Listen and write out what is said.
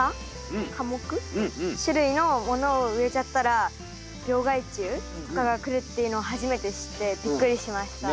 種類のものを植えちゃったら病害虫とかが来るっていうのを初めて知ってびっくりしました。